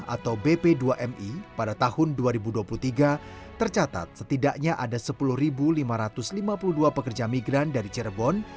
atau bp dua mi pada tahun dua ribu dua puluh tiga tercatat setidaknya ada sepuluh lima ratus lima puluh dua pekerja migran dari cirebon